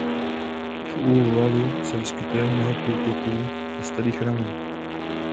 V úvalu se vyskytuje mnoho průtoků a starých ramen.